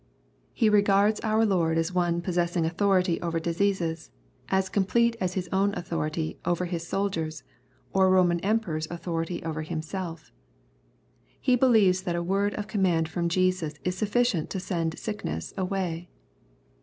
He regards our Lord as one possessing anthority over diseases^ as complete as his own authority over his aoldiers, or a Eoman Emperor's authority over himself He believes that a word of command from Jesus is suf ficient to send sickness away.